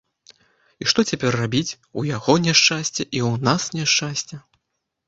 І што цяпер рабіць, у яго няшчасце, і ў нас няшчасце.